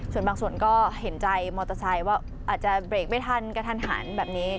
ส่วนบางส่วนก็เห็นใจมอเตอร์ไซค์ว่าอาจจะเบรกไม่ทันกระทันหันแบบนี้